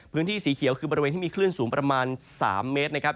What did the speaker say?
พื้นที่สีเขียวคือบริเวณที่มีคลื่นสูงประมาณ๓เมตรนะครับ